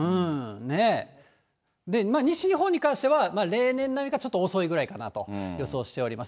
ね、で、西日本に関しては例年並みか、ちょっと遅いぐらいかなと予想しております。